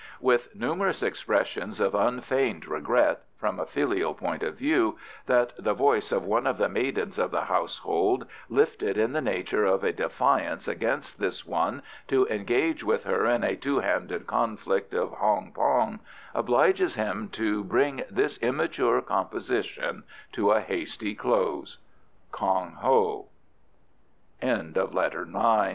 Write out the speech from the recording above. With numerous expressions of unfeigned regret (from a filial point of view) that the voice of one of the maidens of the household, lifted in the nature of a defiance against this one to engage with her in a two handed conflict of hong pong, obliges him to bring this immature composition to a hasty close. KONG HO. LETTER X Concer